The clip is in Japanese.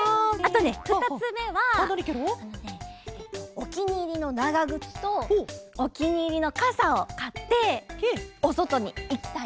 おきにいりのながぐつとおきにいりのかさをかっておそとにいきたいかな！